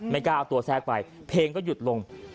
กล้าเอาตัวแทรกไปเพลงก็หยุดลง